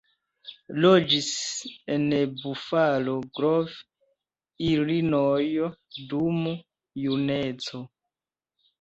Loĝis en Buffalo Grove, Ilinojo dum juneco.